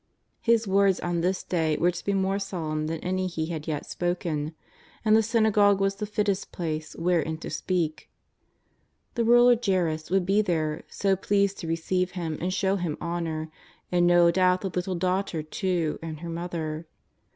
His words on this day were to be more solemn than any He had yet spoken, and the synagogue was the fittest place wherein to speak. The ruler Jairus would be there, so pleased to receive Him and show Him honour, and no doubt the little daughter, too, and her mother.